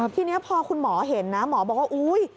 ทีนี้พอคุณหมอเห็นนะหมอบอกว่าอุ๊ย